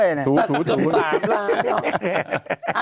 แต่ฝั่ง๓ล้านเปล่า